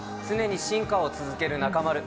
常に進化を続ける中丸。